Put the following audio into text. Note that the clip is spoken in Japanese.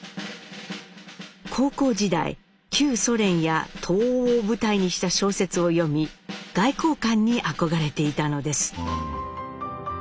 高校時代旧ソ連や東欧を舞台にした小説を読み外交官に憧れていたのです。